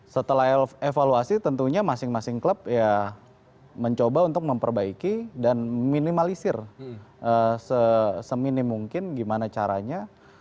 setelah evaluasi tentunya masing masing klub ya mencoba untuk memperbaiki dan minimalisir seminim mungkin gimana caranya